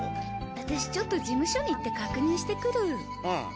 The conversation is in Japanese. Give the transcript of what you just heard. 私ちょっと事務所に行って確認してくる。